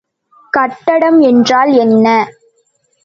கட்டம் என்றால் என்ன?